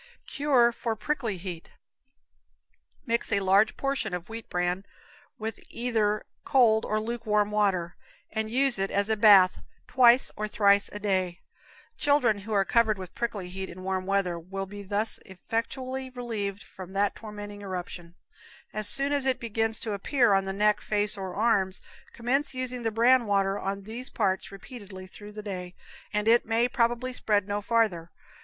Cure for Prickly Heat. Mix a large portion of wheat bran with either cold or lukewarm water, and use it as a bath twice or thrice a day. Children who are covered with prickly heat in warm weather will be thus effectually relieved from that tormenting eruption. As soon as it begins to appear on the neck, face or arms, commence using the bran water on these parts repeatedly through the day, and it may probably spread no farther.